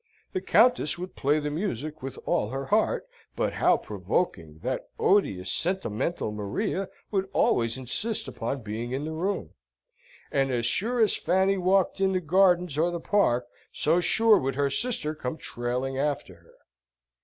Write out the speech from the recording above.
The Countess would play the music with all her heart. But, how provoking! that odious, sentimental Maria would always insist upon being in the room; and, as sure as Fanny walked in the gardens or the park, so sure would her sister come trailing after her.